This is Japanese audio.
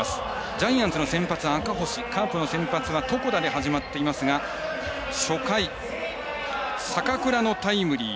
ジャイアンツの先発赤星、カープの先発、床田ですが初回、坂倉のタイムリー。